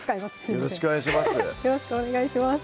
よろしくお願いします